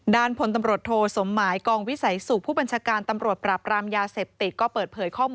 ด้านผนตำรวจโทสมหมายกล้องวิสัยสูตรผู้บัญชาการตำรวจปรับรามยาเสพติด